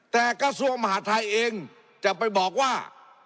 แต่กระทรวงมหาทัยเองจะไปบอกว่า